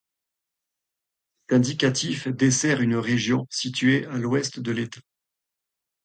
Cet indicatif dessert une région située à l'ouest de l'État.